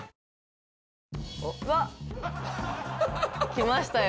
きましたよ